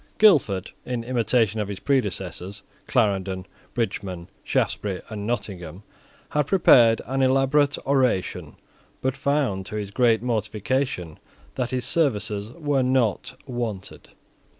Guildford, in imitation of his predecessors, Clarendon, Bridgeman, Shaftesbury, and Nottingham, had prepared an elaborate oration, but found, to his great mortification, that his services were not wanted.